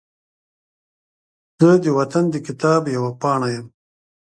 زه د وطن د کتاب یوه پاڼه یم